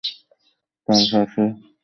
Tom ও সে ঠিক করে একটা ডাকাত দল তৈরি করবে।